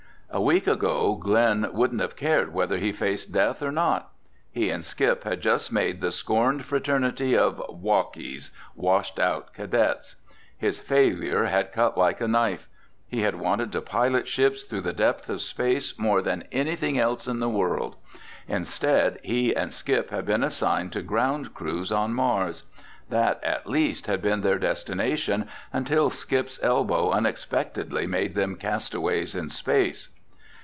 A week ago Glen wouldn't have cared whether he faced death or not. He and Skip had just made the scorned fraternity of "Wockies," washed out cadets. His failure had cut like a knife. He had wanted to pilot ships through the depths of space more than anything else in the world. Instead, he and Skip had been assigned to ground crews on Mars. That, at least, had been their destination until Skip's elbow unexpectedly made them castaways in space.